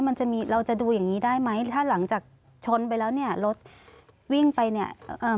มันจะมีเราจะดูอย่างงี้ได้ไหมถ้าหลังจากชนไปแล้วเนี่ยรถวิ่งไปเนี่ยเอ่อ